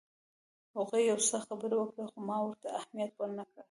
هغوی یو څه خبرې وکړې خو ما ورته اهمیت ورنه کړ.